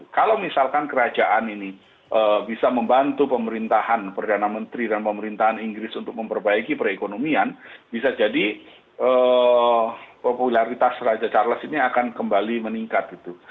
kalau misalkan kerajaan ini bisa membantu pemerintahan perdana menteri dan pemerintahan inggris untuk memperbaiki perekonomian bisa jadi popularitas raja charles ini akan kembali meningkat gitu